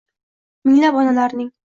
Minglab onalarning